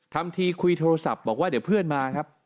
ทำทีคุยโทรศัพท์บอกว่าเดี๋ยวเพื่อนมาครับ